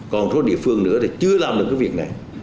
còn một số địa phương nữa thì chưa làm được cái việc này